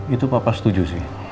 itu papa setuju sih